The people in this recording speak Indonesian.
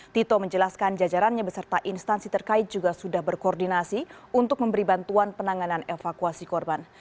tito menjelaskan jajarannya beserta instansi terkait juga sudah berkoordinasi untuk memberi bantuan penanganan evakuasi korban